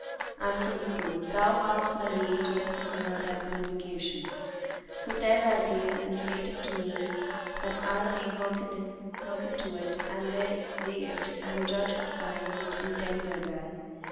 Answered the crow, "Thou hast my leave to let me hear thy communication; so tell thy tale, and relate it to me that I may hearken to it and weigh it and judge of thine intent thereby."